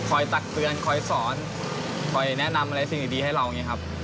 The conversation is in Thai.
ตักเตือนคอยสอนคอยแนะนำอะไรสิ่งดีให้เราอย่างนี้ครับ